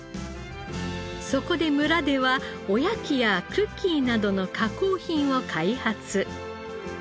そこで村ではおやきやクッキーなどの加工品を開発。